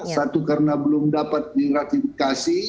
satu karena belum dapat diratifikasi